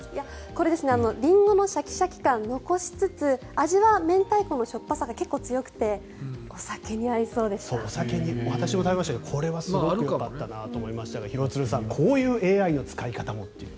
これ、リンゴのシャキシャキ感を残しつつ味は明太子のしょっぱさが強くて私も食べましたけどこれはすごくよかったなと思いましたけど廣津留さんこういうＡＩの使い方もという。